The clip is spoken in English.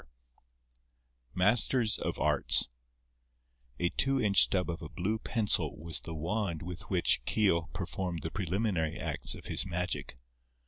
XIV MASTERS OF ARTS A two inch stub of a blue pencil was the wand with which Keogh performed the preliminary acts of his magic.